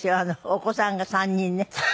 お子さんが３人ね。